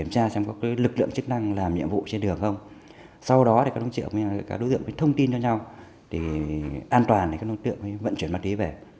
các đối tượng phải thông tin cho nhau an toàn để các đối tượng vận chuyển mặt ý về